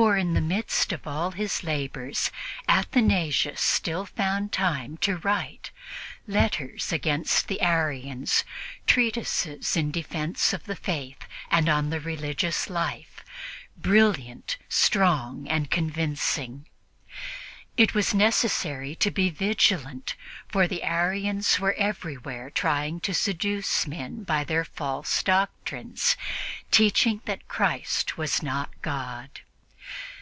For in the midst of all his labors Athanasius still found time to write letters against the Arians, treatises in defense of the Faith and on the religious life, brilliant, strong and convincing. It was necessary to be vigilant, for the Arians were everywhere trying to seduce men by their false doctrines, teaching that Christ was not God.